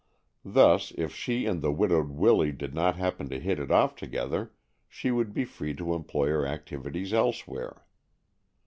Thus, if she and the widowed Willy did not happen to hit it off together, she would be free to employ her activities elsewhere.